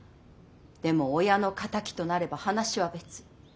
でも親の敵となれば話は別。